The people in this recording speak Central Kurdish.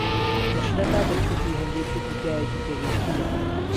دەشڵێ کاتێک چووکی هێندەی چووکی پیاوێکی پێگەیشتووی لێهات